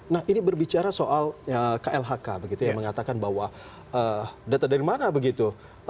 nah ini berbicara soal klhk begitu yang mengatakan bahwa data dari mana begitu